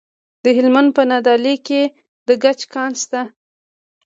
د هلمند په نادعلي کې د ګچ کان شته.